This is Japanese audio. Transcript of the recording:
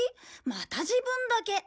また自分だけ。